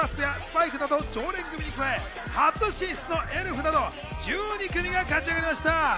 今年の決勝戦にはＡマッソやスパイクなど、常連組に加え、初進出のエルフなど１２組が勝ち上がりました。